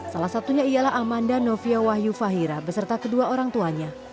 salah satunya ialah amanda novia wahyu fahira beserta kedua orang tuanya